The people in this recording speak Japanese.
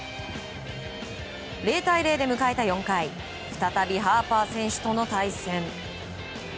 ０対０で迎えた４回再びハーパー選手との対戦。